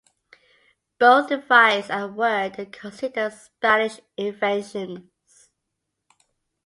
Both device and word are considered Spanish inventions.